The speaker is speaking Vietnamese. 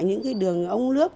những cái đường ống nước